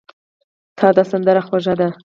د تا سندره خوږه ده